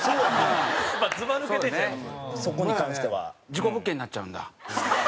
事故物件になっちゃうんだ。